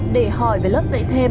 để hỏi về lớp dạy thêm